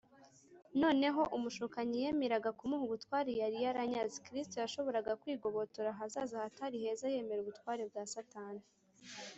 . Noneho umushukanyi yemeraga kumuha ubutware yari yaranyaze. Kristo yashoboraga kwigobotora ahazaza hatari heza yemera ubutware bwa Satani.